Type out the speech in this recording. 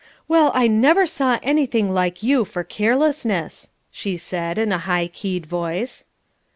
"Well, I never saw anything like you for carelessness," she said in a high keyed voice.